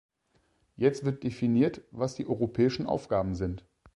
Jetzt wird definiert, was die europäischen Aufgaben sind.